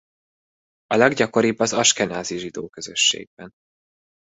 A leggyakoribb az askenázi zsidó közösségben.